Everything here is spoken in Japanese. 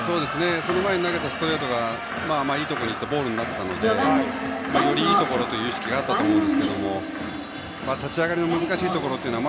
その前に投げたストレートがいいところにいってボールになったのでよりいいところという意識があったのかもしれませんが立ち上がりの難しいところは